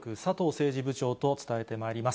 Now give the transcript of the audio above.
政治部長と伝えてまいります。